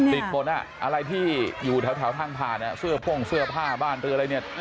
ติดหมดอะไรที่อยู่แถวทางผ่านเสื้อโพ่งเสื้อผ้าบ้านเรืออะไรเนี่ย